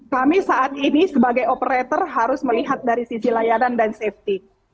kami saat ini sebagai operator harus melihat dari sisi layanan dan safety